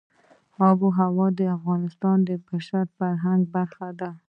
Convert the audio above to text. آب وهوا د افغانستان د بشري فرهنګ برخه ده.